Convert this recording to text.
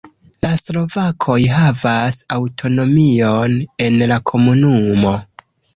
La slovakoj havas aŭtonomion en la komunumo.